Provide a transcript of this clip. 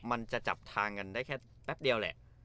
มันจะจับทางกันได้แค่แป๊บเดียวแหละ